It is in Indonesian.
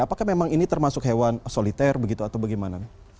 apakah memang ini termasuk hewan soliter begitu atau bagaimana